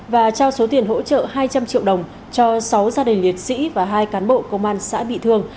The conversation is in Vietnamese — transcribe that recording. và trao số tiền hỗ trợ hai trăm linh triệu đồng cho sáu gia đình liệt sĩ và hai cán bộ công an xã bị thương